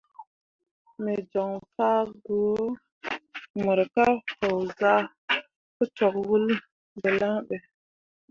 Me joŋ fah gwǝ mor ka haozah pǝ cok wul dǝlaŋ ɓe.